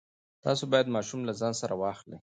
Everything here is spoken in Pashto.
تاسو باید ماشومان له ځان سره واخلئ.